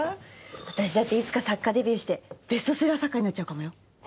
私だっていつか作家デビューしてベストセラー作家になっちゃうかもよ。